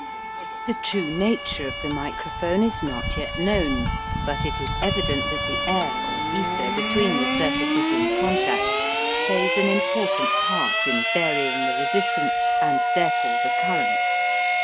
The true nature of the microphone is not yet known, but it is evident that the air or ether between the surfaces in contact plays an important part in varying the resistance, and, therefore, the current.